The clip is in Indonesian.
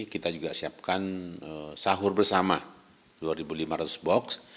kita juga siapkan sahur bersama dua lima ratus box